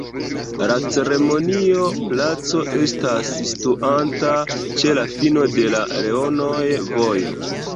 La Ceremonia Placo estas situanta ĉe la fino de la Leonoj-Vojo.